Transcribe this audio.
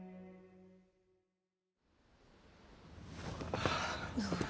ああ。